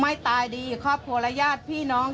ไม่ตายดีความโปรโหลยาชพี่น้อง